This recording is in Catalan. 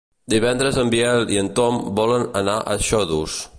Divendres en Biel i en Tom volen anar a Xodos.